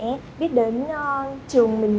như em sẽ biết đến trường mình